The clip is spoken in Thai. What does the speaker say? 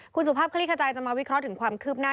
คุณสุภาพคลี่ขจายจะมาวิเคราะห์ถึงความคืบหน้า